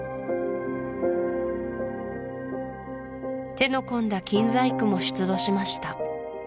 手の込んだ金細工も出土しました